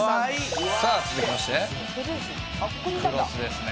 さあ続きましてクロスですね。